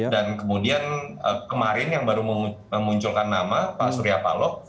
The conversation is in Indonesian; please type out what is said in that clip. dan kemudian kemarin yang baru memunculkan nama pak suryapaloh